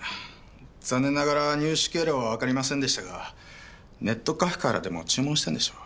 残念ながら入手経路はわかりませんでしたがネットカフェからでも注文したんでしょう。